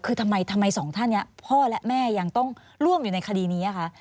คือทำไมสองท่านนี้พ่อและแม่ยังต้องร่วมอยู่ในคดีนี้คะ